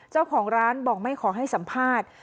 เจ้าของร้านบอกไม่ขอให้สัมภาษณ์